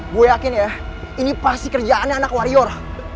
gue yakin ya ini pasti kerjaannya anak warior